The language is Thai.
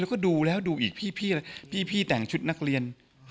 แล้วก็ดูแล้วดูอีกพี่แต่งชุดนักเรียน